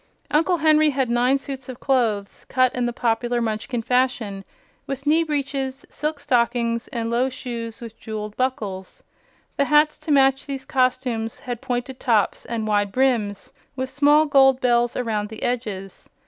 Uncle Henry had nine suits of clothes, cut in the popular Munchkin fashion, with knee breeches, silk stockings, and low shoes with jeweled buckles. The hats to match these costumes had pointed tops and wide brims with small gold bells around the edges.